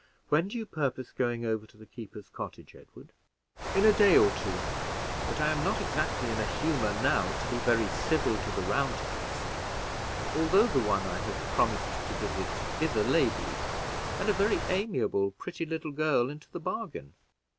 "When do you purpose going over to the keepers cottage, Edward?" "In a day or two; but I am not exactly in a humor now to be very civil to the Roundheads, although the one I have promised to visit is a lady, and a very amiable, pretty little girl in the bargain."